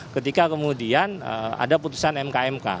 ketika kemudian ada putusan mk mk